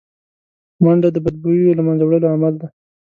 منډه د بدبویو له منځه وړو عمل دی